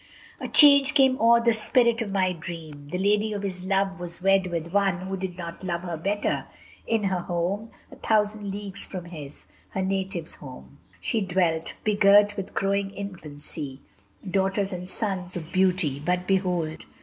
V A change came o'er the spirit of my dream. The lady of his love was wed with one Who did not love her better: in her home, A thousand leagues from his, her native home, She dwelt, begirt with growing infancy, Daughters and sons of beauty, but behold!